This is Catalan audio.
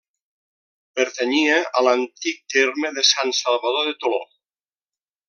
Pertanyia a l'antic terme de Sant Salvador de Toló.